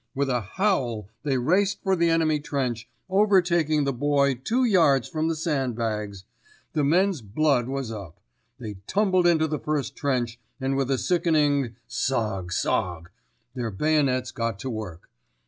With a howl they raced for the enemy trench, overtaking the Boy two yards from the sand bags. The men's blood was up. They tumbled into the first trench, and with a sickening "sog sog" their bayonets got to work.